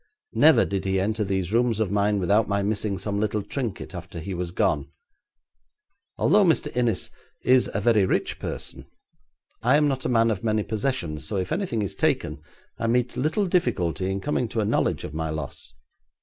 Never did he enter these rooms of mine without my missing some little trinket after he was gone. Although Mr. Innis is a very rich person, I am not a man of many possessions, so if anything is taken, I meet little difficulty in coming to a knowledge of my loss.